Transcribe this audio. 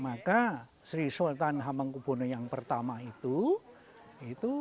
maka sri sultan hamengkubono i itu